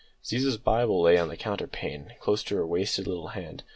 Ziza's Bible lay on the counterpane close to her wasted little hand.